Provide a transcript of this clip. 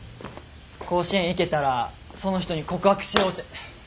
甲子園行けたらその人に告白しようて。